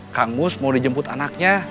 kang mus mau dijemput anaknya